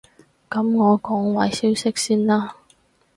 噉我講壞消息先啦